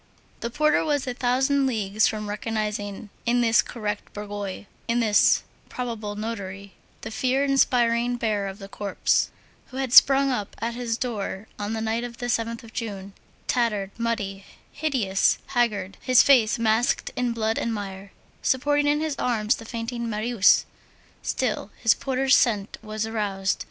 The porter was a thousand leagues from recognizing in this correct bourgeois, in this probable notary, the fear inspiring bearer of the corpse, who had sprung up at his door on the night of the 7th of June, tattered, muddy, hideous, haggard, his face masked in blood and mire, supporting in his arms the fainting Marius; still, his porter's scent was aroused.